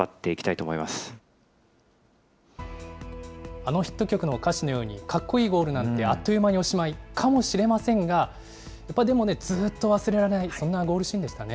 あのヒット曲の歌詞のように、かっこいいゴールなんて、あっという間におしまいかもしれませんが、やっぱりでもね、ずっと忘れられない、そんなゴールシーンでしたね。